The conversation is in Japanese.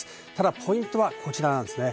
ポイントはこちらです。